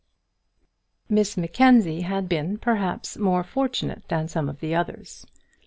Miss Mackenzie had been, perhaps, more fortunate than some of the others.